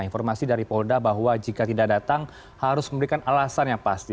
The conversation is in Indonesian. informasi dari polda bahwa jika tidak datang harus memberikan alasan yang pasti